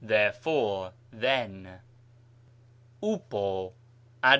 therefore, then. οὔπω, adv.